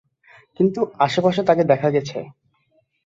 কিন্তু আশেপাশে তাকে দেখা গেছে।